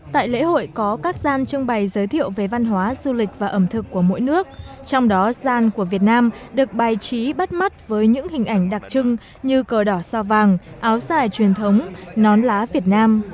tại lễ hội có các gian trưng bày giới thiệu về văn hóa du lịch và ẩm thực của mỗi nước trong đó gian của việt nam được bài trí bắt mắt với những hình ảnh đặc trưng như cờ đỏ sao vàng áo dài truyền thống nón lá việt nam